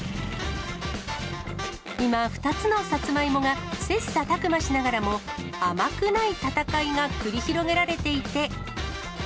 今、２つのさつまいもが切さたく磨しながらも、甘くない戦いが繰り広げられていて。